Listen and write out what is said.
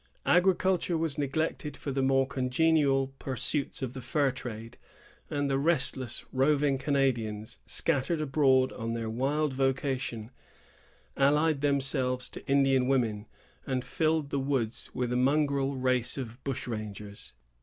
Agriculture was neglected for the more congenial pursuits of the fur trade, and the restless, roving Canadians, scattered abroad on their wild vocation, allied themselves to Indian women, and filled the woods with a mongrel race of bush rangers.